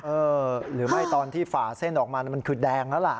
เออหรือไม่ตอนที่ฝ่าเส้นออกมามันคือแดงแล้วล่ะ